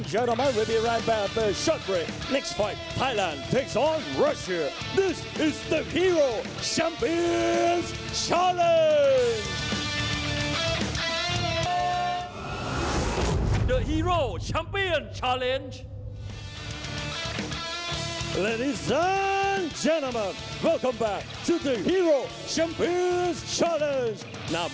สวัสดีกันกันในชัมเปียร์โอชัมเปียร์ชัลเล่นด์